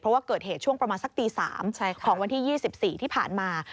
เพราะว่าเกิดเหตุช่วงประมาณสักตี๓ของวันที่๒๔ที่ผ่านมา